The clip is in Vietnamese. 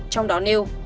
trong đó nêu